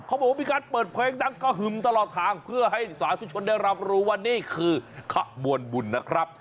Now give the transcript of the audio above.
เขาบอกว่ามีการเปิดเพลงดังกระหึ่มตลอดทางเพื่อให้สาธุชนได้รับรู้ว่านี่คือขบวนบุญนะครับ